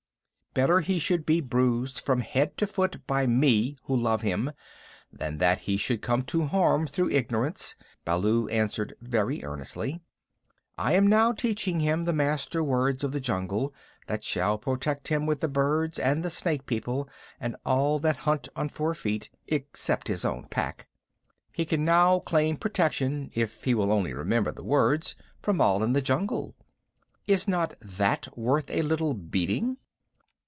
Ugh." "Better he should be bruised from head to foot by me who love him than that he should come to harm through ignorance," Baloo answered very earnestly. "I am now teaching him the Master Words of the Jungle that shall protect him with the birds and the Snake People, and all that hunt on four feet, except his own pack. He can now claim protection, if he will only remember the words, from all in the jungle. Is not that worth a little beating?"